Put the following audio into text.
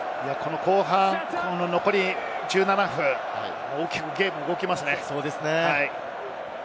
後半残り１７分、大きくゲームが動きますね。